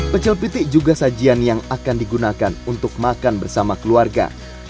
pecel pitik juga sajian yang akan digunakan untuk makan bersama keluarga